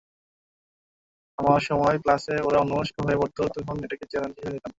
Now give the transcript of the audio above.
অনেক সময় ক্লাসে ওরা অন্যমনস্ক হয়ে পড়ত, তখন এটাকে চ্যালেঞ্জ হিসেবে নিতাম।